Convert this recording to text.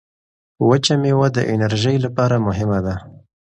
وچه مېوه د انرژۍ لپاره مهمه ده.